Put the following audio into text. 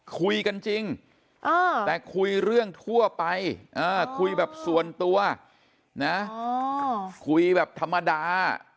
คุยกันจริงแต่คุยเรื่องทั่วไปคุยแบบส่วนตัวนะคุยแบบธรรมดา